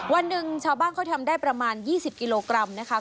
วันหนึ่งชาวบ้านเขาทำได้ประมาณ๒๐กิโลกรัมนะคะ